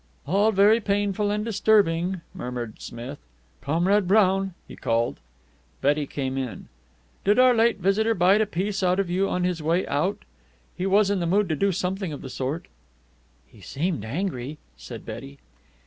"All very painful and disturbing," murmured Smith. "Comrade Brown!" he called. Betty came in. "Did our late visitor bite a piece out of you on his way out? He was in the mood to do something of the sort." "He seemed angry," said Betty.